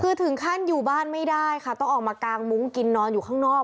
คือถึงขั้นอยู่บ้านไม่ได้ค่ะต้องออกมากางมุ้งกินนอนอยู่ข้างนอก